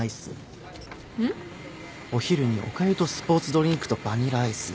お昼におかゆとスポーツドリンクとバニラアイス。